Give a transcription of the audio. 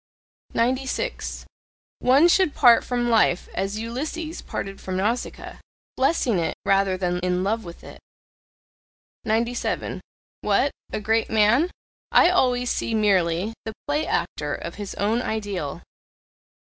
96. One should part from life as Ulysses parted from Nausicaa blessing it rather than in love with it. 97. What? A great man? I always see merely the play actor of his own ideal.